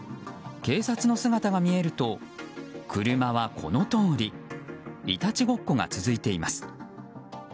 警察の姿が見えると車はこのとおりいたちごっこが続いています。